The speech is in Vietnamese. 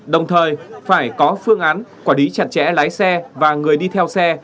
đồng thời phải có phương án quả đí chặt chẽ lái xe và người đi theo xe